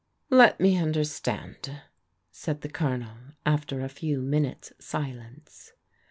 "Let me understand," said the Colonel after a few minutes' silence.